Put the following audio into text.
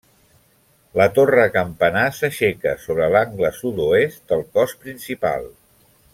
La torre campanar s'aixeca sobre l'angle sud-oest del cos principal.